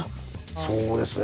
そうですね！